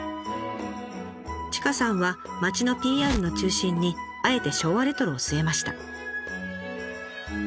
千賀さんは町のＰＲの中心にあえて昭和レトロを据えました。